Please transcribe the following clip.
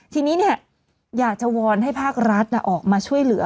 ทีนี้อยากจะวอนให้ภาครัฐออกมาช่วยเหลือ